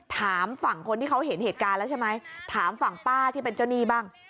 ถามฝั่งคนที่เขาเห็นเหตุการณ์แล้วใช่ไหมถามฝั่งป้าที่เป็นเจ้าหนี้บ้าง